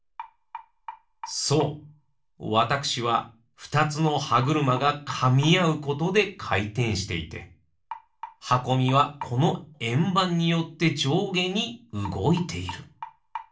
そうわたくしはふたつのはぐるまがかみあうことでかいてんしていてはこみはこのえんばんによってじょうげにうごいている。